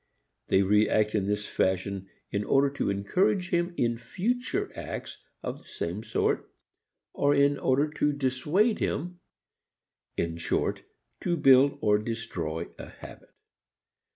They react in this fashion in order to encourage him in future acts of the same sort, or in order to dissuade him in short to build or destroy a habit.